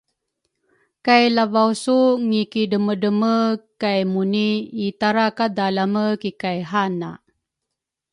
kay Lavausu ngikidremedreme kay Muni itara kadalame kikay hana.